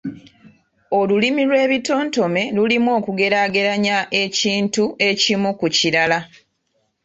Olulimi lw'ebitontome lulimu okugeraageranya ekintu ekimu ku kirala.